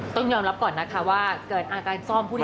ต้องยอมรับก่อนนะคะว่าเกิดอาการซ่อมผู้ที่ง่ายแล้วกันนะ